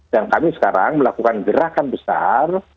dan kami sekarang melakukan gerakan besar